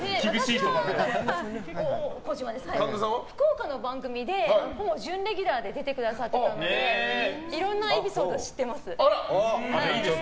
福岡の番組でほぼ準レギュラーで出てくださってたのでいろんなエピソード知ってます。